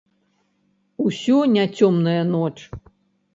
Усё не цёмная ноч.